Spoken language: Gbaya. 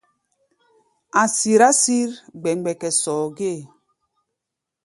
A̧ sirá sǐr gbɛmgbɛkɛ sɔɔ gée.